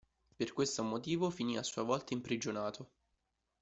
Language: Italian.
Per questo motivo finì a sua volta imprigionato.